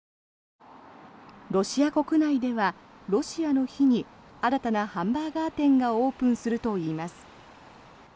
ロシア国内ではロシアの日に新たなハンバーガー店がオープンするといいます。